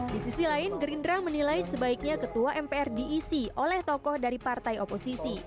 di sisi lain gerindra menilai sebaiknya ketua mpr diisi oleh tokoh dari partai oposisi